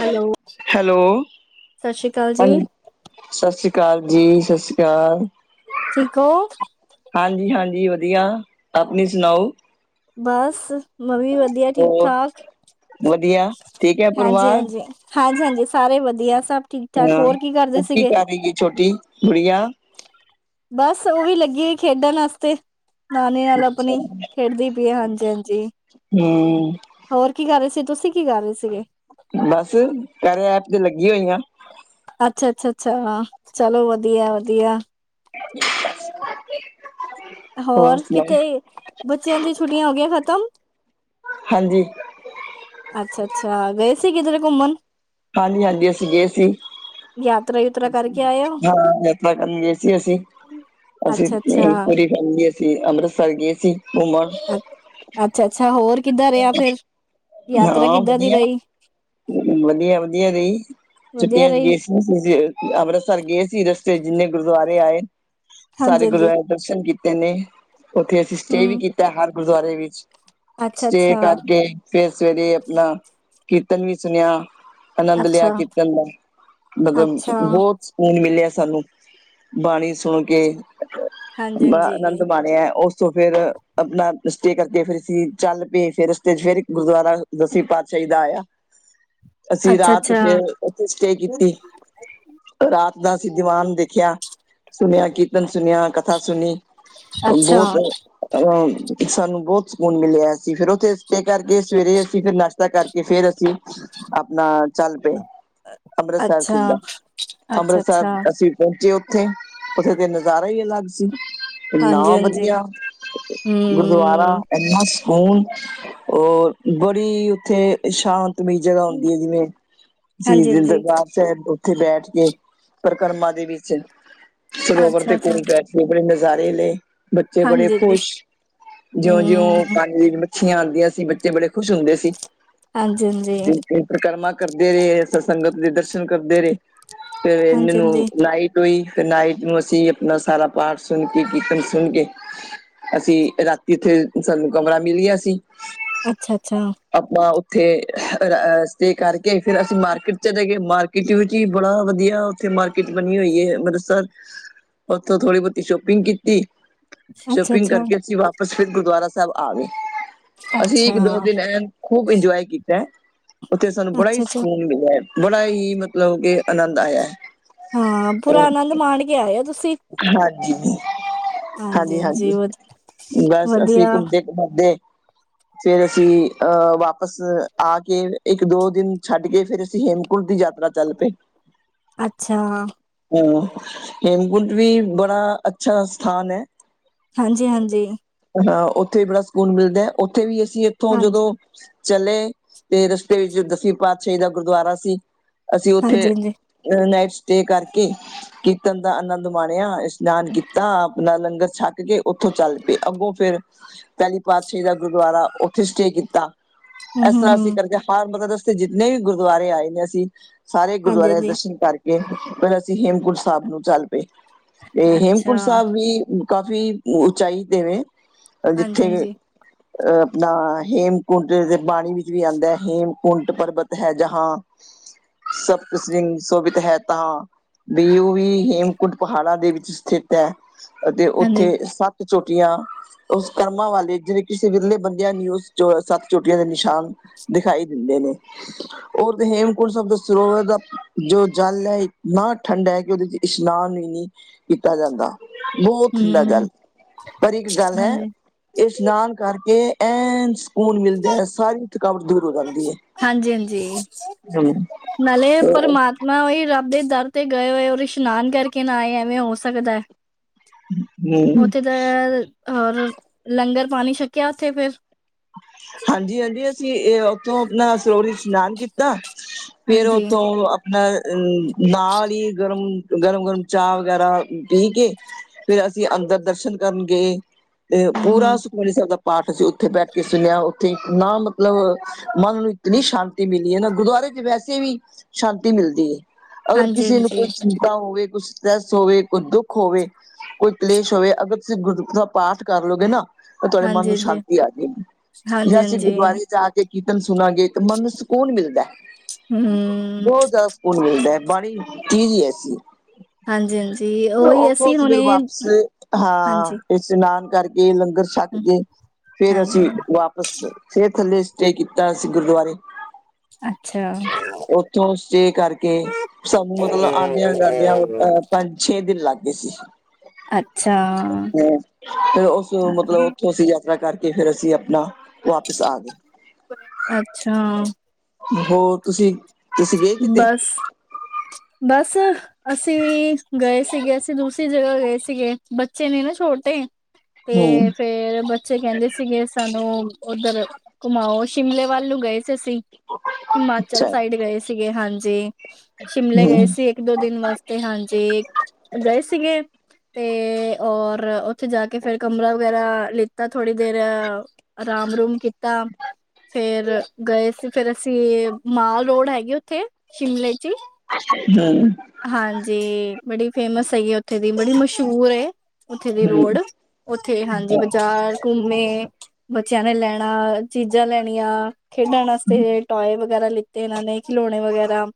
Hello hello ਸਸ਼੍ਰੀ ਅਕਾਲ ਜੀ ਸਸ਼੍ਰੀ ਅਕਾਲ ਜੀ ਸਸ਼੍ਰੀ ਅਕਾਲ ਠੀਕ ਹੋ ਹਾਂਜੀ ਹਾਂਜੀ ਵਧੀਆ ਆਪਣੀ ਸੁਣਾਓ ਬਸ ਮੈਂ ਵੀ ਵਧੀਆ ਠੀਕ ਹੋਰ ਠਾਕ ਵਧੀਆ ਠੀਕ ਹੈ ਹਾਂਜੀ ਪਰਿਵਾਰ ਹਾਂਜੀ ਹਾਂਜੀ ਹਾਂਜੀ ਸਾਰੇ ਵਧੀਆ ਸਭ ਠੀਕ ਹਾਂ ਉਹ ਕੀ ਕਰ ਰਹੀ ਛੋਟੀ ਬੁੜੀਆਂ ਬਸ ਓਈ ਲੱਗੀ ਏ ਖੇਡਣ ਵਾਸਤੇ। ਨਾਨੀ ਨਾਲ ਅਪਣੀ, ਖੇਡਦੀ ਪਈ ਹਾਂਜੀ-ਹਾਂਜੀ। ਹਮ ਹੋਰ ਕੀ ਕਰ ਰੇ ਸੀ ਤੁਸੀਂ ਕੀ ਕਰ ਰੇ ਸੀਗੇ? ਬਸ ਘਰੇ ਐਪ ਤੇ ਲੱਗੀ ਹੋਈ ਆਂ। ਅੱਛਾ ਛਾ-ਛਾ-ਛਾ ਚਲੋ ਵਦੀਆ-ਵਦੀਆ। [inaudible] ਹੋਰ ਸੁਣਾਓ ਕੀਥੇ ਬੱਚੇਆਂ ਦੀ ਛੁੱਟੀਆਂ ਹੋ ਗੀਆਂ ਖਤਮ? ਹਾਂਜੀ ਅੱਛਾ ਛਾ-ਛਾ ਗਏ ਸੀ ਕੀਧਰੇ ਘੁੰਮਣ? ਹਾਂਜੀ-ਹਾਂਜੀ ਅਸੀਂ ਗਏ ਸੀ ਯਾ ਹਾਂ ਯਾਤਰਾ ਕਰਨ ਗਏ ਸੀ ਅਸੀਂ ਅਸੀਂ ਅੱਛਾ-ਅੱਛਾ, ਆ ਰੀ ਹਾਂਜੀ ਅਸੀ ਅਮਰੀਸਰ ਗਏ ਸੀ, ਘੋਮ ਅੱ ਅੱਛਾ ਛਾ ਹੋਰ ਕੀਦਾਂ ਰੇਆ ਫੇਰ? ਹਾਂ ਵਦੀਆ, ਵਦੀਆ-ਵਦੀਆ ਦੀ ਵਧੀਆ ਛੁੱਟੀਆਂ ਚ ਰਹੀ? ਗਏ ਸੀ [unintelligible] ਵਦੀਆ ਅਮਰੀਸਰ ਗਏ ਸੀ ਰਸਤੇ ਜੀਨੇ ਗੁਰਦੁਆਰੇ ਆਏ, ਸਾਰੇ ਹਾਂਜੀ-ਹਾਂਜੀ, ਗੁਰਦੁਆਰੇ ਦਰਸ਼ਨ ਕੀਤੇ ਨੇ ਓਥੇ ਅਸੀਂ ਸਟੇ ਵੀ ਹੂੰ, ਕੀਤਾ ਹਰ ਗੁਰਦੁਆਰੇ ਵੇਚ ਸਟੇ ਅੱਛਾ-ਅੱਛਾ, ਕਰਕੇ ਫੇਰ ਸਵੇਰੇ ਅਪਣਾ, ਕੀਰਤਨ ਵੀ ਸੁਣੇਆ ਆਨੰਦ ਲੇਆ ਅੱਛਾ, ਕੀਰਤਨ ਦਾ, ਮਤਬ ਅੱਛਾ, ਸਕੂਨ ਮੀਲੇਆ ਸਾਨੂੰ ਬਾਣੀ ਸੁਣ ਕੇ ਬਾ ਆਨੰਦ ਹਾਂਜੀ-ਹਾਂਜੀ, ਮਾਣੇਆ ਓਸ ਸੋ ਫੇਰ ਆਪਣਾ ਸਟੇ ਕਰਕੇ ਫੇਰ ਅਸੀ ਚੱਲ ਪੇ ਫੇਰ ਰਸਤੇ ਚ ਫੇਰ ਏਕ ਗੁਰਦੁਆਰਾ ਦਸਵੀਂ ਪਾਤਸ਼ਾਹੀ ਦਾ ਆਏਆ, ਅਸੀਂ ਰਾਤ ਅੱਛਾ-ਅੱਛਾ, ਫੇਰ ਓਥੇ ਸਟੇ ਕੀਤੀ ਰਾਤ ਦਾ ਅਸੀਂ ਦੀਵਾਨ ਦੇਖੇਆ, ਸੁਣੇਆ ਕੀਰਤਨ ਸੁਣੇਆ ਕ ਥਾ ਸੁਣੀ ਅੱਛਾ, ਬੋਤ ਅਆ ਸਾਨੂੰ ਬੌਤ ਸਕੂਨ ਮੀਲੇਆ ਸੀ ਫੇਰ ਓਥੇ ਸਟੇ ਕਰਕੇ ਸਵੇਰੇ ਅਸੀਂ ਫੇਰ ਨਾਛ ਤਾ ਕਰਕੇ ਫੇਰ ਅਸੀਂ, ਆਪਣਾ ਚੱਲ ਪੇ, ਅੰਮਰੀਸਰ ਅੱਛਾ, ਸੀਦਾ। ਅੰਮਰੀਸਰ ਅੱਛਾ-ਅੱਛਾ, ਅਸੀਂ ਪੌਂਚੇ ਓਥੇ, ਓਥੇ ਤੇ ਨਜ਼ਾਰਾ ਈ ਅਲੱਗ ਸੀ ਨਾ ਹਾਂਜੀ-ਹਾਂਜੀ, ਵਦੀਆ ਗੁਰਦੁਆਰਾ ਹੂੰ, ਐਨਾ ਸਕੂਨ ਓ ਬੜੀ ਓਥੇ ਸ਼ਾਂਤ ਮੀ ਜਗ੍ਹਾ ਹੁੰਦੀ ਐ ਜੀਵੇ [unintelligible] ਹਾਂਜੀ-ਹਾਂਜੀ, ਦਰਬਾਰ ਸੈਬ ਓਥੇ ਬੈਠ ਕੇ, ਪਰਕਰਮਾ ਦੇ ਵੀਚ ਸਰੋਵਰ ਦੇ ਅੱਛਾ-ਅੱਛਾ, ਕੋਲ ਬੈਠ ਬੜੇ ਨਜ਼ਾਰੇ ਲਏ ਬੱਚੇ ਬੜੇ ਹਾਂਜੀ-ਹਾਂਜੀ, ਖੁਸ਼, ਜੇਉਂ-ਜੇਉਂ ਹੂੰ, ਪਾ ਮਛੀਆਂ ਆਦੀਆਂ ਸੀ ਬੱਚੇ ਬੜੇ ਖੁਸ਼ ਹੁੰਦੇ ਸੀ। ਆਜੀ-ਆਜੀ। ਪਰਕਰਮਾ ਕਰਦੇ ਰਏ ਫੇਰ ਸੰਗਤ ਦੇ ਦਰਸ਼ਨ ਕਰਦੇ ਰਏ, ਫੇਰ ਏ ਮੇਨੂੰ ਹਾਂਜੀ-ਹਾਂਜੀ, ਨਾਈ ਕ ਵੀ ਨਾਈਟ ਨੂੰ ਅਸੀਂ ਆਪਣਾ ਸਾਰਾ ਪਾਠ ਸੁਣ ਕੇ ਕੀਰਤਨ ਸੁਣ ਕੇ ਅਸੀਂ ਰਾਤੀ ਏਥੇ ਸਾਨੂੰ ਕਮਰਾ ਮੀਲ ਗੇਆ ਸੀ ਆ ਛਾ-ਛਾ। ਆਪਾਂ ਓਥੇ ਆ ਸਟੇ ਕਰਕੇ ਫੇਰ ਅਸੀਂ ਮਾਰਕੀਟ ਚਲੇ ਗੇ ਮਾਰਕੀਟ ਵੀ ਕੀ ਬੜਾ ਵਧੀਆ ਓਥੇ ਮਾਰਕੀਟ ਬਣੀ ਹੋਈ ਐ ਅੰਮਰੀਸਰ ਓਥੋਂ ਥੋੜੀ ਬੌਤੀ ਸੌ਼ਪੀਂਗ ਕੀਤੀ ਸੌ਼ਪੀਂਗ ਅੱਛਾ-ਅੱਛਾ, ਕਰਕੇ ਅਸੀਂ ਵਾਪਸ ਫੇਰ ਗੁਰਦੁਆਰਾ ਸੈਬ ਆ ਗੇ ਅਸੀਂ ਅੱਛਾ, ਏਕ-ਦੋ ਦੇਨ ਐਨ ਖੂਬ ਈਂਜੋਏ ਕੀਤਾ ਐ, ਓਥੇ ਸਾਨੂੰ ਬੜਾ ਈ ਅੱਛਾ-ਅੱਛਾ, ਸਕੂਨ ਮੀਲੇਆ ਏ ਬੜਾ ਈ ਮਾ ਲਵ ਕੇਕਿ ਆਨੰਦ ਆਏ ਐ। ਹਾਂ, ਪੁਰਾ ਆਨੰਦ ਮਾਣ ਕੇ ਆਏ ਹੋ। ਤੁਸੀਂ ਹਾਂਜੀ ਜੀ, ਹਾਂਜੀ, ਹਾਂਜੀ। ਹਾਂਜੀ-ਹਾਂਜੀ, ਵਧ ਬਸ, ਅਸੀਂ ਵਧੀਆ, ਕੁਸਦੇ ਕੁਮਦੇ ਫਰ ਅਸੀਂ ਅਹ ਵਾਪਿਸ ਆ ਕੇ ਇੱਕ-ਦੋ ਦਿਨ ਛੱਡ ਕੇ ਫੇਰ ਅਸੀਂ ਹੇਮਕੁੰਟ ਦੀ ਯਾਤ ਰਾ ਚੱਲ ਪਏ। ਅੱਛਾ। ਹੂੰ‌--ਹੇਮਕੁੰਟ ਵੀ ਬੜਾ ਅੱਛਾ ਸਥਾਨ ਹੈ। ਹਾਂਜੀ, ਹਾਂਜੀ। ਹਾਂ, ਉੱਥੇ ਵੀ ਬੜਾ ਸਕੂਨ ਮਿਲਦਾ ਐ। ਉੱਥੇ ਵੀ ਅਸੀਂ ਇੱਥੋਂ ਹਾਂਜੀ, ਜਦੋਂ- ਚਲੇ ਤੇ ਰਸਤੇ ਵਿੱਚ ਦਸਵੀਂ ਪਾਤਸ਼ਾਹੀ ਦਾ ਗੁਰਦੁਆਰਾ ਸੀ। ਅਸੀਂ ਉੱਥੇ ਹਾਂਜੀ-ਹਾਂਜੀ, ਅਅ ਨਾਈਟ ਸਟੇ ਕਰਕੇ ਕੀਰਤਨ ਦਾ ਆਨੰਦ ਨਿਮਾਣਿਆ, ਇਸ਼ਨਾਨ ਕੀਤਾ, ਆਪਣਾ ਲੰਗਰ ਛੱਕ ਕੇ ਉੱਥੋਂ ਚੱਲ ਪਏ। ਅੱਗੋਂ ਫਿਰ ਪਹਿਲੀ ਪਾਤਸ਼ਾਹੀ ਦਾ ਗੁਰਦੁਆਰਾ ਉੱਥੇ ਸਟੇ ਕੀਤਾ। ਇਸ ਤਰ੍ਹਾਂ ਅਸੀਂ ਹੂੰ-ਹੂੰ-ਹੂੰ, ਕਰਦੇ ਹਰ ਮਤਲਬ ਰਸਤੇ ਜਿੰਨੇ ਵੀ ਗੁਰਦੁਆਰੇ ਆਏ ਨੇ ਅਸੀਂ ਸਾਰੇ ਗੁਰਦੁਆਰਿਆਂ ਦੇ ਹਾਂਜੀ-ਹਾਂਜੀ, ਦਰਸ਼ਨ ਕਰਕੇ ਫ਼ਿਰ ਅਸੀਂ ਹੇਮਕੁੰਟ ਸਾਹਿਬ ਨੂੰ ਚੱਲ ਪਏ। ਤੇ ਅੱਛਾ। ਹੇਮਕੁੰਟ ਸਾਹਿਬ ਵੀ ਕਾਫੀ ਉਚਾਈ ਤੇ ਵੇ ਜਿੱਥੇ [inaudible] [unintelligible] ਹਾਂਜੀ-ਹਾਂਜੀ, ਅ ਆਪਣਾ ਹੇਮਕੁੰਟ ਦੇ ਬਾਣੀ ਵਿੱਚ ਵੀ ਆਉਂਦਾ ਹੈ। ਹੇਮਕੁੰਟ ਪਰਬਤ ਹੈ ਜਹਾਂ ਸਤ ਸਿੰਘ ਸੋਭਿਤ ਹੈ ਤਾਂ ਬੀੂ ਵੀ ਹੇਮ ਕੁਟ ਪਹਾੜਾ ਦੇ ਵਿੱਚ ਸਥਿਤ ਹੈ ਅਤੇ ਹਾਂਜੀ, ਹਾਂਜੀ, ਉੱਥੇ ਸੱਤ ਚੋਟੀਆਂ ਉਸ ਕਰਮਾਂ ਵਾਲੇ ਜਿਵੇਂ- ਕਿਸੇ ਵਿਰਲੇ ਬੰਦਿਆਂ ਨੂੰ ਉਸ ਸੱਤ ਚੋਟੀਆਂ ਦੇ ਨਿਸ਼ਾਨ ਦਿਖਾਈ ਦਿੰਦੇ ਨੇ। ਓਰ ਤੁਸੀਂਂ ਹੇਮਕੁੰਟ ਸਾਬ ਦੇ ਸਰੋਵਰ ਦਾ ਜੋ ਜਲ ਹੈ, ਇੰਨਾ ਠੰਡਾ ਹੈ ਕਿ ਉਹਦੇ ਚ ਇ‌‌ਸ਼ ਨਾਨ ਵੀ ਨਹੀਂ ਕੀਤਾ ਜਾਂਦਾ। ਬਹੁਤ ਠੰਡਾ ਹੂੰ, ਜਲ ਪਰ ਇੱਕ ਗੱਲ ਹੈ ਹਾਂਜੀ। ਇਸ਼ਨਾਨ ਕਰਕੇ ਐਂਜ ਕੁਨ ਮਿਲਦੇ ਹੈ। ਸਾਰੀ ਥਕਾਵਟ ਦੂਰ ਹੋ ਜਾਂਦੀ ਹੈ। ਹਾਂਜੀ-ਹਾਂਜੀ, ਹੂੰ, ਹੋਰ ਮੈਂ ਉਹੀ ਰੱਬ ਦੇ ਦਰ ਤੇ ਗਏ ਹੋਏ ਹੋ। ਇਸ਼ਨਾਨ ਕਰਕੇ ਨਾ ਆਏ ਐਵੇਂ ਹੋ ਸਕਦਾ। [unintelligible] ਉੱਥੇ ਤਾਂ ਹੋਰ ਲੰਗਰ ਪਾਣੀ ਛੱਕਿਆ ਉੱਥੇ ਫੇਿਰ ਹਾਂਜੀ, ਹਾਂਜੀ। ਅਸੀਂ ਇਹ ਉੱਥੋਂ ਆਪਣਾ ਸਰੋਵਰ ਇਸ਼ਨਾਨ ਕੀ ਤਾ ਫਿਰ ਹਾਂਜੀ, ਓਥੋਂ ਅ ਨਾਲ ਹੀ ਗਰਮ, ਗਰਮ-ਗਰਮ ਚਾਹ ਵਗੈਰਾ ਪੀ ਕੇ ਫਿਰ ਅਸੀਂ ਅੰਦਰ ਦਰਸ਼ਨ ਕਰਨ ਗਏ ਤੇ ਪੂਰਾ ਹੂੰ-ਹੂੰ, ਸੁਖਮਨੀ ਸਾਹਿਬ ਦਾ ਪਾਠ ਅਸੀਂ ਉੱਥੇ ਬੈਠੇ ਕੇ ਸੁਣਿਆ ਉੱਥੇ, ਇਨਾ ਮਤਲਬ ਮਨ ਨੂੰ ਇਤਨੀ ਸ਼ਾਂਤੀ ਮਿਲੀ ਹੈ ਨਾ ਗੁਰਦੁਆਰੇ ਚ ਵੈਸੇ ਵੀ ਸ਼ਾਂਤੀ ਮਿਲਦੀ ਹੈ ਅਗਰ ਕਿਸੇ ਨੂੰ ਹਾਂਜੀ-ਹਾਂਜੀ, ਕੋਈ ਹੋਵੇ ਕੁਛ ਸਟ੍ਰੈੱਸ ਹੋਵੇ ਕੁ ਦੁੱਖ ਹੋਵੇ ਕੋਈ ਕਲੇਸ਼ ਹੋਵੇ ਅਗਰ ਤੁਸੀਂ ਗੁਰ ਦਾ ਪਾਠ ਕਰ ਲੋਗੇ ਨਾ ਤਾਂ ਤੁਹਾਡੇ ਮਨ ਨੂੰ ਹਾਂਜੀ-ਹਾਂਜੀ। ਸ਼ਾਂਤੀ ਆਜੇਗੀ। ਜਾਂ ਅਸੀਂ ਹਾਂਜੀ-ਹਾਂਜੀ, ਗੁਰਦੁਆਰੇ ਜਾ ਕੇ ਕੀਰਤਨ ਸੁਣਾਂਗੇ ਤਾਂ ਮਨ ਨੂੰ ਸਕੂਨ ਮਿਲਦਾ ਹੂੰ, ਬਹੁਤ ਜ਼ਿਆਦਾ ਸਕੂਨ ਮਿਲਦਾ ਹੈ। ਬਾਣੀ ਚੀਜ਼ ਹੀ ਐਸੀ। ਹਾਂਜੀ-ਹਾਂਜੀ, ਉਹੀ ਉੱਥੋਂ ਅਸੀਂ ਹੁਣੇ ਸਵੇਰ ਵਾਪਸ ਹਾਂ ਹਾਂਜੀ, ਇਸ਼ਨਾਨ ਕਰਕੇ ਲੰਗਰ ਛੱਕ ਹੂੰ, ਕੇ ਫੇਰ ਹਾਂਜੀ, ਅਸੀਂ ਹਾਂਜੀ, ਵਾਪਸ ਫੇਰ ਥੱਲੇ ਸਟੇ ਕੀਤਾ ਅਸੀਂ ਗੁਰਦੁਆਰੇ। ਅੱਛਾ। ੳਥੋਂ ਸਟੇ ਕਰਕੇ ਸਾਨੂੰ ਮਤਲਬ ਆਂਦੀਆਂ ਜਾਂਦਿਆਂ ਪੰਜ, ਛੇ ਦਿਨ ਲੱਗ ਗਏ। ਅੱਛਾ, ਹਾਂ, ਫੇਰ ੳਸ ਮਤਲਬ ਅਸੀ ਯਾਤਰਾ ਕਰਕੇ ਫੇਰ ਅਸੀ ਆਪਣਾ ਵਾਪਿਸ ਆ ਗਏ। ਅੱਛਾ। ਹੋਰ ਤੁਸੀ ਬਸ ਬਸ ਅਸੀ ਗਏ ਸੀਗੇ ਅਸੀ ਦੂਸਰੀ ਜਗ੍ਹਾ ਗਏ ਸੀਗੇ, ਬੱਚੇ ਨੇ ਨਾ ਛੋਟੇ। ਤੇ ਹਮ ਫੇਰ ਬ ਬੱਚੇ ਕਹੰਦੇ ਸੀਗੇ ਸਾਨੂੰ ੳਧਰ ਘੁਮਾਓ, ਸ਼ਿਮਲੇ ਵੱਲ ਨੂੰ ਗਏ ਸੀ। ਹਿਮਾਚਲ ਅੱਛਾ ਸਾਈਡ ਗਏ ਸੀਗੇ ਹਾਂਜੀ, ਸ਼ਿਮਲੇ ਗਏ ਹਮ ਸੀ ਇੱਕ, ਦੋ ਦਿਨ ਵਾਸਤੇ ਹਾਂਜੀ ਗਏ ਸੀਗੇ ਤੇ ਔਰ ੳਥੇ ਜਾ ਕੇ ਫੇਰ ਕਮਰਾ ਵਗੈਰਾ ਲਿੱਤਾ, ਥੋੜੀ ਦੇਰ ਆਰਾਮ ਰੂਮ ਕੀਤਾ ਫੇਰ ਗਏ ਸੀ ਫੇਰ ਅਸੀ ਮਾਲ ਰੋਡ ਹੈਗੀ ੳਥੇ ਸ਼ਿਮਲੇ ਚ ਈ [unintelligible] ਹਾਂਜੀ ਬੜੀ ਫੇਮਸ ਹੈਗੀ ੳਥੇ ਦੀ, ਬੜੀ ਮਸ਼ਹੂਰ ਏ ਉੱਥੇ ਦੀ ਰੋਡ ੳਥੇ ਹਾਂਜੀ ਬਾਜ਼ਾਰ ਘੁੰਮੇ, ਬੱਚਿਆਂ ਨੇ ਲੈਨਾ ਚੀਜ਼ਾਂ ਲੈਨੀਆਂ ਖੇਡਨ ਵਾਸਤੇ ਟਾਯੇ ਵਗੈਰਾ ਲਿੱਤੇ ਏਨਾਂ ਨੇ ਖਿਲੌਨੇ ਵਗੈਰਾ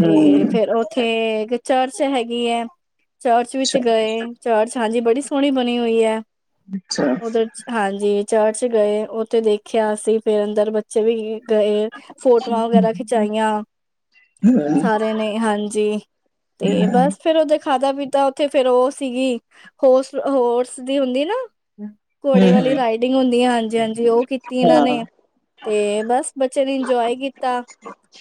ਤੇ ਫੇਰ ੳਥੇ ਇਕ ਚਰਚ ਹੈਗੀ ਐ, ਚਰਚ ਵਿਚ ਅੱਛਾ ਗਏ। ਚ੍ਚ ਹਾਂਜੀ ਬੜੀ ਸੋਹਨੀ ਬਨੀ ਹੋਈ ਐ, ਅੱਛਾ ੳਧਰ ਹਾਂਜੀ ਚ੍ਰਚ ਗਏ ੳਥੇ ਦੇਖਿਆ ਅਸੀ ਫੇਰ ਅੰਦਰ ਬੱਚੇ ਵੀ ਗਏ। ਫੋਟੋਆਂ ਵਗੈਰਾ ਖਿਚਾਈਆਂ ਸਾਰੇ ਨੇ ਹਾਂਜੀ ਤੇ ਬਸ ਫੇਰ ਓਦੇ ਖਾਦਾ ਪੀਤਾ ੳਥੇ ਫੇਰ ੳਹ ਸੀਗੀ ਹੋਸਟ ਹੋਰਸ ਦੀ ਹੁੰਦੀ ਏ ਨਾ ਘੋੜੇ ਵਾਲੀ ਹੂੰ ਰਾਈਡਿੰਗ ਹੁੰਦੀ ਹੈ ਹਾਂਜੀ ਹਾਂਜੀ ੳਹ ਕੀਤੀ ਏਨਾਂ ਹਾਂ ਨੇ। ਤੇ ਬਸ ਬੱਚੇਆਂ ਨੇ ਇੰਜੋਏ ਕੀਤਾ।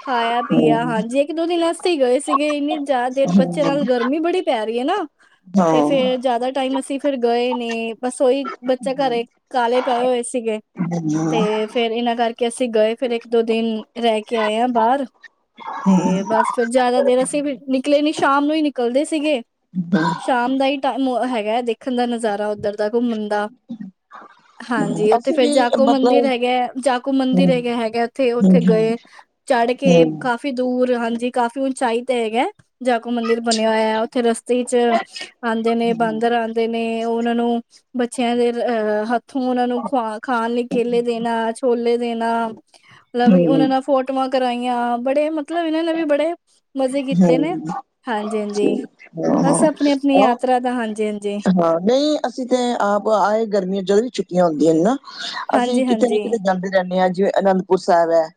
ਖਾਇਆ ਪੀਆ ਹੂੰ ਹਾਂਜੀ ਇੱਕ, ਦੋ ਦਿਨ ਆਸਤੇ ਹੀ ਗਏ ਸੀਗੇ ਏਨੀ ਜ਼ਿਆਦਾ ਦੇਰ ਬੱਚਿਆਂ ਨਾਲ ਗਰਮੀ ਬੜੀ ਪੈ ਰਹੀ ਐ ਨਾ। ਤੇ ਹਾਂ ਫੇਰ ਜ਼ਿਆਦਾ ਟਾਇਮ ਅਸੀ ਫਿਰ ਗਏ ਨੇ ਬਸ ਉਹੀ ਬੱਚਾ ਘਰੇ ਕਾਲੇ ਪਏ ਹੋਏ ਸੀਗੇ ਤੇ ਫੇਰ ਏਨਾਂ ਕਰਕੇ ਅਸੀ ਗਏ ਫੇਰ ਇੱਕ, ਦੋ ਦਿਨ ਰਹ ਕੇ ਆਏ ਆਂ ਬਾਹਰ ਤੇ ਬਸ ਫੇਰ ਜ਼ਿਆਦਾ ਦੇਰ ਅਸੀ ਨਿਕਲੇ ਨੀ ਸ਼ਾਮ ਨੂੰ ਈ ਨਿਕਲਦੇ ਸੀਗੇ ਬਾ ਸ਼ਾਮ ਦਾ ਹੀ ਟੈਮ ਹੈਗਾ, ਦੇਖਣ ਦਾ ਨਜ਼ਾਰਾ ੳਧਰ ਦਾ ਘੁੰਮਣ ਦਾ। ਹਾਂਜੀ ੳਥੇ ਅਸੀਂ ਫੇਰ ਵੀ ਜਾਕੋ ਮਤਲਬ ਮੰਦਿਰ ਹੂੰ ਹੈਗਾ, ਜਾਕੋ ਮੰਦਿਰ ਹੈਗਾ, ਹੈਗਾ ੳਥੇ, ਹੂੰ ੳਥੇ ਗਏ। ਚੜ ਕੇ ਹੂੰ ਕਾਫ਼ੀ ਦੂਰ ਹਾਂਜੀ, ਕਾਫ਼ੀ ਉਂਚਾਈ ਤੇ ਹੈਗਾ ਜਾਕੋੋ ਮੰਦਿਰ ਬਨੇਆ ਹੋਇਆ, ੳਥੇ ਰਸਤੇ ਚ ਆਂਦੇ ਨੇ ਬਾਂਦਰ ਆਂਦ ਦੇ ਨੇ, ੳਨਾ ਨੂੰ ਬੱਚਿਆਂ ਦੇ ਅਰ ਰ ਹੱਥ ਥੋਂ ੳਨਾ ਨੂੰ ਖੁਆ ਖਾਣ ਲਈ ਕੇਲੇ ਦੇਨਾ, ਛੋਲੇ ਦੇਨਾ ਲ਼ੈ ਵੀ ੳਨਾਂ ਹੂੰ ਨਾਲ ਫੋਟੋਆਂ ਕਰਾਈਆਂ, ਬੜੇ ਮਤਲਬ ਏਨਾਂ ਨੇ ਵੀ ਬੜੇ ਮਜ਼ੇ ਕੀਤੇ ਨੇ। ਹੂੰ ਹਾਂ ਹਾਂਜੀ ਹਾਂਜੀ, ਬਸ ਅਪਣੀ- ਅਪਣੀ ਹਾਂ ਯਾਤਰਾ ਦਾ ਹਾਂਜੀ ਹਾਂਜੀ ਅਸੀ ਤੇ ਆਪ ਆਏ ਗਰਮੀਆਂ ਚ ਜਦੋਂ ਵੀ ਛੁੱਟੀਆਂ ਹੁੰਦੀਆਂ ਨੇ ਨਾ ਅਸੀ ਹਾਂਜੀ ਹਾਂਜੀ ਕਿਤੇ ਨਾ ਹਾਂਜੀ ਕਿਤੇ ਜਾਂਦੇ ਰਹਨੇ ਆ, ਜਿਵੇਂ ਅਨੰਦਪੁਰ ਸਾਹਿਬ ਹੈ।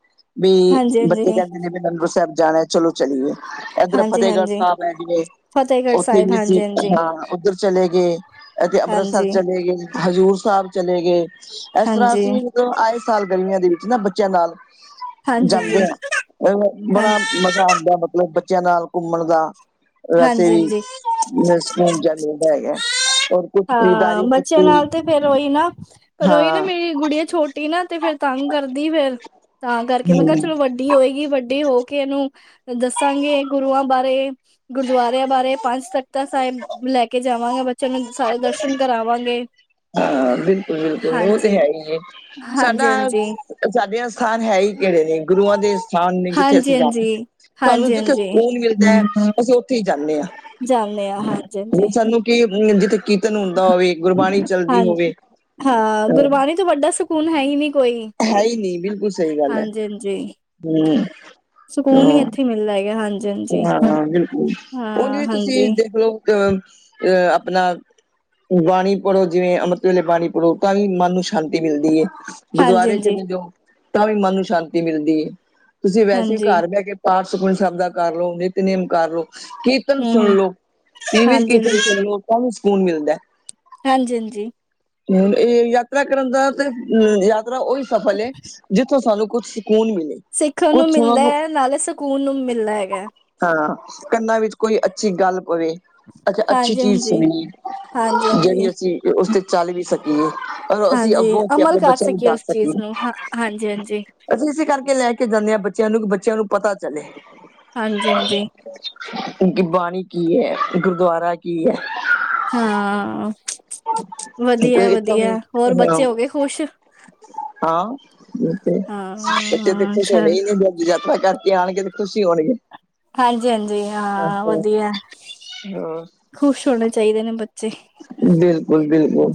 ਵੀ ਹਾਂਜੀ ਹਾਂਜੀ ਬੱਚੇ ਕਹੰਦੇ ਨੇ ਵੀ ਅਨੰਦਪੁਰ ਸਾਹੇਬ ਜਾਨਾ, ਚਲੋ ਚਲੀਏ। ਇੱਧਰ ਹਾਂਜੀ ਫਤਿਹਗੜ੍ਹ ਹਾਂਜੀ ਸਾਹਿਬ ਐਂਜ ਏ। ਫਤਿਹਗੜ੍ਹ ਉੱਥੇ ਸਾਹਿਬ ਵੀ ਅਸੀਂ ਹਾਂਜੀ ਹਾਂਜੀ ਹਾਂ ਉੱਧਰ ਚਲੇ ਗਏ ਅਤੇ ਅੰਮ੍ਰਿਤਸਰ ਹਾਂਜੀ ਚਲੇ ਗਏ। ਹਜ਼ੂਰ ਸਾਹਿਬ ਚਲੇ ਗਏ ਇਸ ਤਰ੍ਹਾਂ ਹਾਂਜੀ ਅਸੀਂ ਤੋ ਆਏ ਸਾਲ ਗਰਮੀਆਂ ਦੇ ਵਿੱਚ ਨਾ ਬੱਚਿਆਂ ਨਾਲ ਹਾਂਜੀ ਜੀ ਜਾਂਦੇ ਆ ਬੜਾ ਮਤਬ ਹਾਂਜੀ ਦਾ ਮਤਲਬ ਬੱਚਿਆਂ ਨਾਲ ਘੁੰਮਣ ਦਾ ਵੈਸੇ ਹਾਂਜੀ ਵੀ ਜੀ ਸਕੂਨ ਜਾ ਮਿਲਦਾ ਹੈਗਾ ਔਰ ਕੁਛ ਹਾਂ ਖਰੀਦਦਾਰੀ ਬੱਚਿਆਂ ਕੀਤੀ ਨਾਲ ਤੇ ਫਿਰ ਉਹੀ ਨਾ ਪਰ ਉਹੀ ਨਾ ਹਾਂ ਮੇਰੀ ਗੁੜੀਆਂ ਛੋਟੀ ਨਾ ਤੇ ਫਿਰ ਤੰਗ ਕਰਦੀ ਫਿਰ ਤਾਂ ਕਰਕੇ ਮੈਂ ਕਿਆ ਹਮ ਚਲੋ ਵੱ ਵੱਡੀ ਹੋਏਗੀ ਵੱਡੀ ਹੋ ਕੇ ਇਹਨੂੰ ਦੱਸਾਂਗੇ ਗੁਰੂਆਂ ਬਾਰੇ ਗੁਰਦੁਆਰਿਆਂ ਬਾਰੇ ਪੰਜ ਤਖ਼ਤਾਂ ਸਾਹਿਬ ਲੈ ਕੇ ਜਾਵਾਂਗੇ ਬੱਚਿਆਂ ਨੂੰ ਸਾਰੇ ਦਰਸ਼ਨ ਕਰਾਵਾਂਗੇ। ਹਾਂ ਬਿਲਕੁਲ-ਬਿਲਕੁਲ ਓ ਤੇ ਹਾਂਜੀ, ਹੈ ਈ ਏ ਸਾਡਾ ਹਾਂਜੀ-ਹਾਂਜੀ। ਸਾਡੀਆਂ ਸਥਾਨ ਹੈ ਹੀ ਕੇੜੇ ਨੇ ਗੁਰੂਆਂ ਦੇ ਸਥਾਨ ਨੇ ਜਿੱਥੇ ਅਸੀਂ ਜਾਣਾ ਹਾਂਜੀ-ਹਾਂਜੀ, ਸਾਨੂੰ ਜਿੱਥੇ ਹਾਂਜੀ-ਹਾਂਜੀ। ਸਕੂਨ ਮਿਲਦਾ। ਅਸੀਂ ਉੱਥੇ ਹੀ ਜਾਂਣੇ ਆਂ। ਜਾਂਣੇ ਆਂ ਹਾਂਜੀ-ਹਾਂਜੀ। ਕਿ ਜਿੱਥੇ ਕੀਰਤਨ ਹੁੰਦਾ ਹੋਵੇ ਗੁਰਬਾਣੀ ਚੱਲਦੀ ਹਨ ਹੋਵੇ ਹਾਂ ਗੁਰਬਾਣੀ ਤੋਂ ਵੱਡਾ ਸਕੂਨ ਹੈ ਈ ਨਈ ਕੋਈ ਹੈ ਈ ਨਈ ਬਿਲਕੁਲ ਸਈ ਗੱਲ ਹੈ ਹਾਂਜੀ-ਹਾਂਜੀ। ਹੂੰ। ਸਕੂਨ ਈ ਇੱਥੇ ਮਿਲਦਾ ਹੈਗਾ ਹਾਂਜੀ। ਹਾਂ ਬਿਲਕੁਲ ਉਂਝ ਵੀ ਤੁਸੀਂ ਹਾਂਜੀ, ਦੇਖ ਲਓ ਅ ਆਪਣਾ ਬਾਣੀ ਪੜੋ ਜਿਵੇਂ ਅੰਮ੍ਰਿਤ ਵੇਲੇ ਬਾਣੀ ਪੜੋ ਤਾਂ ਵੀ ਮਨ ਨੂੰ ਸ਼ਾਂਤੀ ਮਿਲਦੀ ਏ। ਗੁਰਦੁਆਰੇ ਹਾਂਜੀ-ਹਾਂਜੀ, ਚਲੇ ਜਾਓ ਤਾਂ ਵੀ ਮਨ ਨੂੰ ਸ਼ਾਂਤੀ ਮਿਲਦੀ ਏ ਤੁਸੀਂ ਵੈਸੇ ਵੀ ਹਾਂਜੀ, ਘਰ ਬਹਿ ਕੇ ਪਾਠ ਸੁਖਮਨੀ ਸਾਹਿਬ ਦਾ ਕਰ ਲੋ ਨਿਤਨੇਮ ਕਰ ਲਓ ਕੀ ਕੀਰਤਨ ਸੁਣ ਹੂੰ-ਹੂੰ, ਲਓ ਟੀਵੀ ਵਿੱਚ ਕੀਰਤਨ ਹਾਂਜੀ-ਹਾਂਜੀ। ਸੁਣ ਲਓ ਤਾਂ ਵੀ ਸਕੂਨ ਮਿਲਦਾ। ਹਾਂਜੀ-ਹਾਂਜੀ। ਹ ਇਹ ਯਾਤਰਾ ਕਰਨ ਦਾ ਤੇ ਯਾ ਤਰਾਂ ਉਈ ਸਫਲ ਏ ਜਿੱਥੇ ਸਾਨੂੰ ਕੁਛ ਸਕੂਨ ਮਿਲੇ ਸਿੱਖਣ ਕੁਝ ਨੂੰ ਸੁਣਨ ਮਿਲਦਾ ਹੈ ਨਾਲੇ ਸਕੂਨ ਨੂੰ ਮਿਲਦਾ ਹੈਗਾ। ਹਾਂ ਕੰਨਾਂ ਵਿੱਚ ਕੋਈ ਅੱਛੀ ਗੱਲ ਪਵੇ। ਅੱਛਾ ਅੱਛੀ ਚੀਜ਼ ਹਾਂਜੀ-ਹਾਂਜੀ, ਸੁਣੀਏ ਹਾਂਜੀ-ਹਾਂਜੀ, ਹਾਂਜੀ ਜੇੜੀ ਅਸੀਂ ਉਸ ਤੇ ਚੱਲ ਵੀ ਸਕੀਏ। ਪਰ ਅਸੀਂ ਹਾਂਜੀ, ਹਾਂਜੀ। ਅੱਗੋਂ ਹੋ ਕੇ ਅਮਲ ਆਪਣੇ ਕਰ ਬੱਚਿਆਂ ਨੂੰ ਸਕੀਏ ਉਸ ਦੱਸ ਚੀਜ਼ ਨੂੰ, ਹਾਂ, ਸਕੀਏ ਹਾਂਜੀ-ਹਾਂਜੀ। ਅਸੀਂ ਇਸੇ ਕਰਕੇ ਲੈ ਕੇ ਜਾਂਦੇ ਆਂ ਬੱਚਿਆਂ ਨੂੰ ਬੱਚਿਆਂ ਨੂੰ ਪਤਾ ਚਲੇ ਹਾਂਜੀ-ਹਾਂਜੀ। ਬਾਣੀ ਕੀ ਐ ਗੁਰਦੁਆਰਾ ਕੀ ਐ। ਹਾਂ ਇਥੋਂ ਵਧੀਆ-ਵਧੀਆ ਹੋਰ ਹਾਂ ਬੱਚੇ ਹੋ ਗਏ ਖੁਸ਼ ਹਾਂ ਓ ਤੇ ਹੈ ਬਚਿਆਂ ਨੇ ਤੇ ਹਾਂ ਖੁਸ਼ ਹੋਣੇ ਚੱਲ ਨੇ। ਯਾਤਰਾ ਕਰਕੇ ਆਣਗੇ ਤੇ ਖੁਸ਼ ਈ ਹੋਣਗੇ। ਹਾਂਜੀ-ਹਾਂਜੀ ਹਾਂ ਵਧੀਆ ਖੁਸ਼ ਹੋਣੇ ਚਾਹੀਦੇ ਨੇ ਬੱਚੇ ਬਿਲਕੁਲ- ਬਿਲਕੁਲ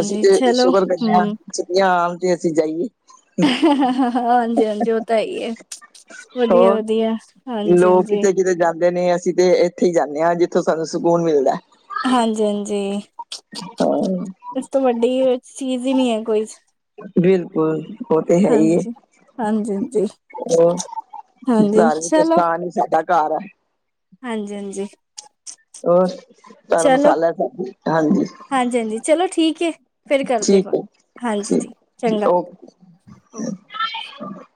ਅਸੀ ਤੇ ਚਲੋ ਸ਼ੁਕਰ ਕਰਨੇ ਆ ਹੂੰ ਜੇ ਆਣ ਤੇ ਅਸੀਂ ਜਾਈਏ। ਹਾਂ ਹਾਂਜੀ-ਹਾਂਜੀ ਓ ਤੇ ਹੈ ਈ ਏ। ਹੋਰ ਲੋਕ ਕਿਤੇ-ਕਿਤੇ ਜਾਂਦੇ ਨੇ ਅਸੀਂ ਤੇ ਉੱਥੇ ਹੀ ਜਾਂਣੇ ਆਂ ਜਿੱਥੋਂ ਸਾਨੂੰ ਸਕੂਨ ਮਿਲਦਾ। ਹਾਂਜੀ-ਹਾਂਜੀ ਹਾਂ ਇਸ ਤੋਂ ਵੱਡੀ ਚੀਜ਼ ਈ ਨੀ ਹੈ ਕੋਈ ਬਿਲਕੁਲ। ਉਹ ਤੇ ਹੈ ਈ ਏ ਹਾਂਜੀ। ਹਾਂਜੀ-ਹਾਂਜੀ, ਹਾਂਜੀ ਉਹ ਹਾਂਜੀ ਧਾਰਮਿਕ ਅਥਾਨ ਸਾਡਾ ਘਰ ਹੈ। ਹਾਂਜੀ, ਹਾਂਜੀ। ਹੋਰ ਧਰਮ ਮਸਾਲਾ ਹਾਂਜੀ ਹਾਂਜੀ, ਹਾਂਜੀ ਚਲੋ ਠੀਕ ਏ--ਫਿਰ ਕਰ ਦੇ ਠੀਕ ਹੈ ਹਾਂਜੀ ਜੀ ਠੀਕ ਚੰਗਾ ਓਕੇ [unintelligible]